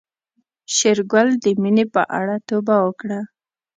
شېرګل د مينې په اړه توبه وکړه.